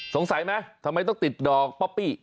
สงสัยไหมทำไมต้องติดดอกป๊อปปี้